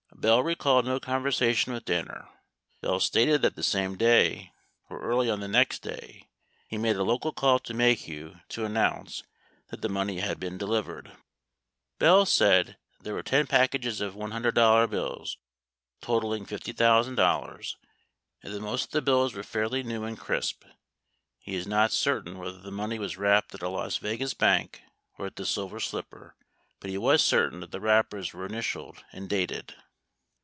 Bell recalled no conversation with Danner. Bell stated that the same day, or early on the next day, he made a local call to Maheu to announce that the money had been delivered. 81 Bell said there were 10 packages of $100 bills, totaling $50,000, and that most of the bills were fairly new and crisp. He is not certain whether the money was wrapped at a Las Vegas bank or at the Silver Slipper, but he was certain that the wrappers were initialed and dated.